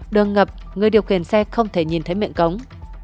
đường ngập người điều khiển xe không thể nhìn thấy miệng cống